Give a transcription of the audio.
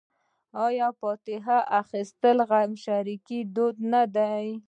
آیا فاتحه اخیستل د غمشریکۍ دود نه دی؟